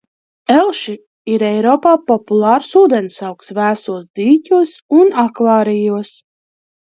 Elši ir Eiropā populārs ūdensaugs vēsos dīķos un akvārijos.